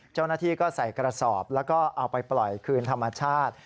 เจ้าหน้าที่ก็ใส่กระสอบแล้วก็เอาไปปล่อยคืนธรรมชาติ